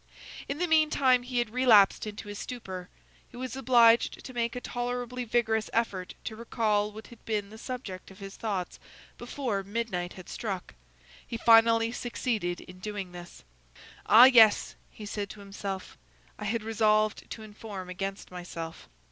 In the meantime he had relapsed into his stupor; he was obliged to make a tolerably vigorous effort to recall what had been the subject of his thoughts before midnight had struck; he finally succeeded in doing this. "Ah! yes," he said to himself, "I had resolved to inform against myself."